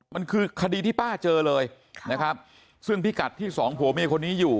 มันคือคดีที่ป้าเจอเลยนะครับซึ่งพิกัดที่สองผัวเมียคนนี้อยู่